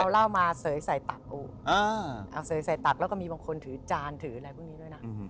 เอาเหล้ามาเสยใส่ตักเอาเสยใส่ตักแล้วก็มีบางคนถือจานถืออะไรพวกนี้ด้วยนะ